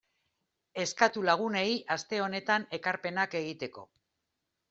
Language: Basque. Eskatu lagunei aste honetan ekarpenak egiteko.